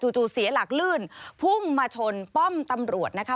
จู่เสียหลักลื่นพุ่งมาชนป้อมตำรวจนะคะ